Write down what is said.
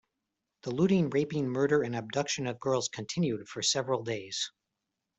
This looting, raping, murder and abduction of girls continued for several days.